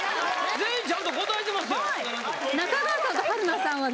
全員ちゃんと答えてますよよかった！